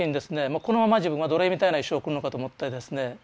もうこのまま自分は奴隷みたいな一生を送るのかと思ってですね